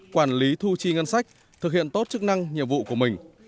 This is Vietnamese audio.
quản lý thu chi ngân sách thực hiện tốt chức năng nhiệm vụ của mình